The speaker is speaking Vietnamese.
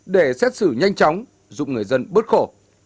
để xét xử nhanh chóng giúp người dân bớt khổ